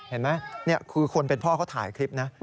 เห็นไหมนี่คือคนเป็นพ่อเขาถ่ายคลิปนะ